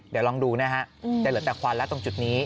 เดี๋ยวลองดูนะฮะจะเหลือแต่ควันแล้วตรงจุดนี้